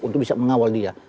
untuk bisa mengawal dia